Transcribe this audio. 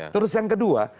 terus yang kedua